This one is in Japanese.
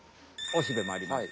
おしべもあります。